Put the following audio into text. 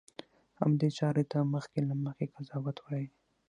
همدې چارې ته مخکې له مخکې قضاوت وایي.